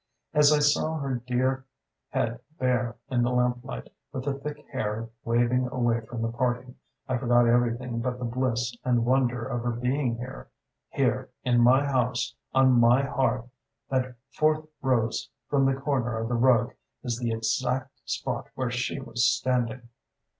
"As I saw her dear head bare in the lamp light, with the thick hair waving away from the parting, I forgot everything but the bliss and wonder of her being here here, in my house, on my hearth that fourth rose from the corner of the rug is the exact spot where she was standing....